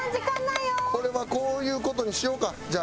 これはこういう事にしようかじゃあ。